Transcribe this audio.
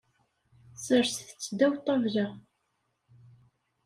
Serset-t ddaw ṭṭabla.